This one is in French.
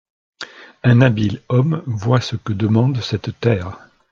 Un habile homme voit ce que demande cette terre.